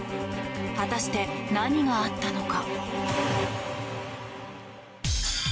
果たして何があったのか。